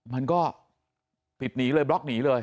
มันก็ปิดหนีเลยบล็อกหนีเลย